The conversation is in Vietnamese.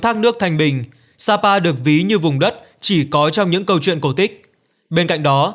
văn hóa canh bình sapa được ví như vùng đất chỉ có trong những câu chuyện cổ tích bên cạnh đó